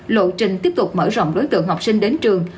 lộ trình tiếp tục mở rộng đối tượng học sinh đến trường